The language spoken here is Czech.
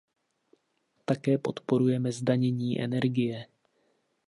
Také podporujeme zdanění energie.